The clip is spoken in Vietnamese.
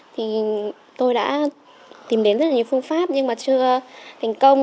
thì tôi đã tìm đến rất là nhiều phương pháp nhưng mà chưa thành công